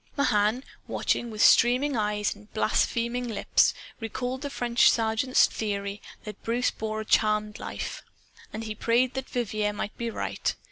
Mahan, watching, with streaming eyes and blaspheming lips, recalled the French sergeant's theory that Bruce bore a charmed life. And he prayed that Vivier might be right.